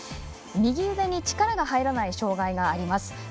右腕に力が入らない障がいがあります。